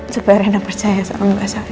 supaya rina percaya sama mbak sofya